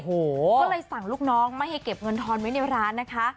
ก็เลยสั่งลูกน้องไม่ให้เก็บเงินทอนไว้ในร้านนะคะ